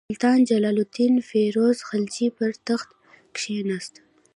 سلطان جلال الدین فیروز خلجي پر تخت کښېناست.